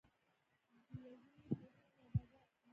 د یوې روښانه او ابادې نړۍ.